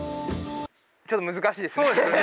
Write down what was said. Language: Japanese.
ちょっと難しいですね。